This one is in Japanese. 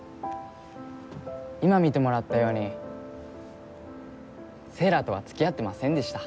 今見てもらったように聖衣良とは付き合ってませんでした。